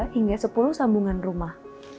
hingga sepuluh sambungan rumah